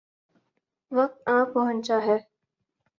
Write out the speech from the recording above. وقت آن پہنچا ہے۔